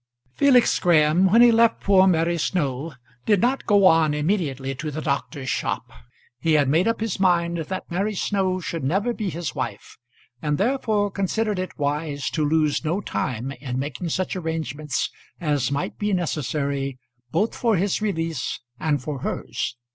Felix Graham, when he left poor Mary Snow, did not go on immediately to the doctor's shop. He had made up his mind that Mary Snow should never be his wife, and therefore considered it wise to lose no time in making such arrangements as might be necessary both for his release and for hers.